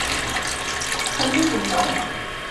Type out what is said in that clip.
Ttqelliben-iyi.